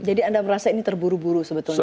jadi anda merasa ini terburu buru sebetulnya